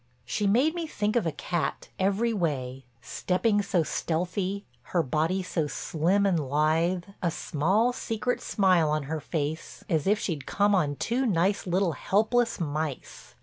She made me think of a cat every way, stepping so stealthy, her body so slim and lithe, a small, secret smile on her face as if she'd come on two nice little helpless mice.